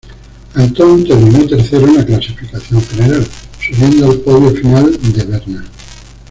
Antón terminó tercero en la clasificación general, subiendo al podio final de Berna.